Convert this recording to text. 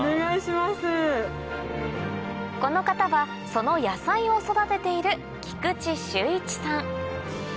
この方がその野菜を育てている菊池秀一さん